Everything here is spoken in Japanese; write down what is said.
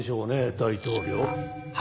大統領。